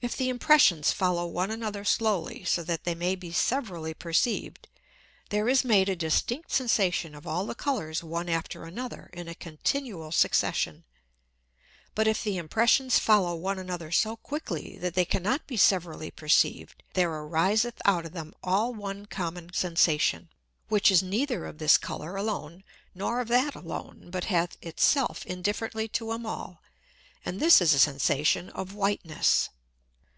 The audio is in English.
If the Impressions follow one another slowly, so that they may be severally perceived, there is made a distinct Sensation of all the Colours one after another in a continual Succession. But if the Impressions follow one another so quickly, that they cannot be severally perceived, there ariseth out of them all one common Sensation, which is neither of this Colour alone nor of that alone, but hath it self indifferently to 'em all, and this is a Sensation of Whiteness.